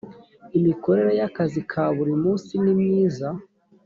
imikorere y ‘akazi ka buri munsi nimyiza.